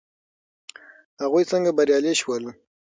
هغوی څنګه بریالي شول.